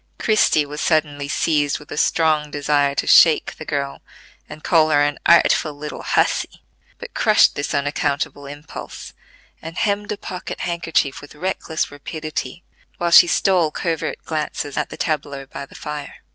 Christie was suddenly seized with a strong desire to shake the girl and call her an "artful little hussy," but crushed this unaccountable impulse, and hemmed a pocket handkerchief with reckless rapidity, while she stole covert glances at the tableau by the fire.